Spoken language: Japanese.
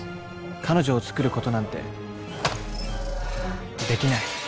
彼女を作ることなんてできない。